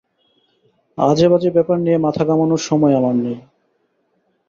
আজেবাজে ব্যাপার নিয়ে মাথা ঘামোনর সময় আমার নেই।